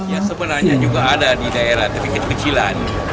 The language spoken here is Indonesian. ya sebenarnya juga ada di daerah terdekat kecilan